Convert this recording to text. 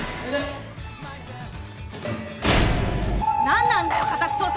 何なんだよ！